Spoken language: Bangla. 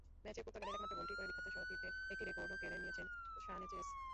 ম্যাচে পর্তুগালের একমাত্র গোলটি করে বিখ্যাত সতীর্থের একটি রেকর্ডও কেড়ে নিয়েছেন সানেচেস।